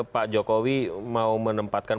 pak jokowi mau menempatkan